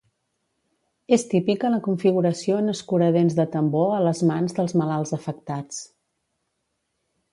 És típica la configuració en escuradents de tambor a les mans dels malalts afectats.